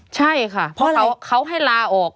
ใช่ค่ะเพราะเขาให้ลาออก